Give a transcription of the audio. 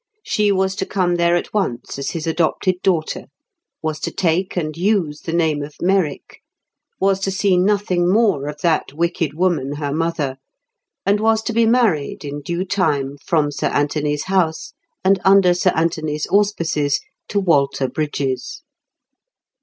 She was to come there at once as his adopted daughter; was to take and use the name of Merrick; was to see nothing more of that wicked woman, her mother; and was to be married in due time from Sir Anthony's house, and under Sir Anthony's auspices, to Walter Brydges.